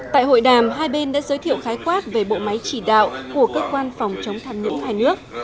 tại hội đàm hai bên đã giới thiệu khái quát về bộ máy chỉ đạo của cơ quan phòng chống tham nhũng hai nước